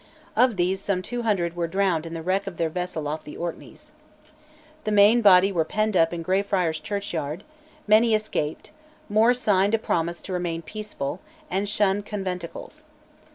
Of these some two hundred were drowned in the wreck of their vessel off the Orkneys. The main body were penned up in Greyfriars Churchyard; many escaped; more signed a promise to remain peaceful, and shun conventicles.